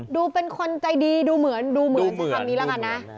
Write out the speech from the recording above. ดูเป็นคนใจดีดูเหมือนดูเหมือนใช้คำนี้แล้วกันนะ